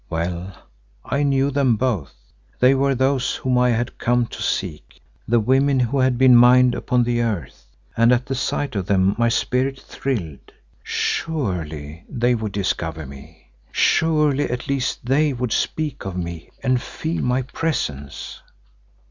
Well, I knew them both; they were those whom I had come to seek, the women who had been mine upon the earth, and at the sight of them my spirit thrilled. Surely they would discover me. Surely at least they would speak of me and feel my presence.